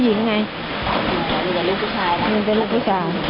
อย่างนี้ไง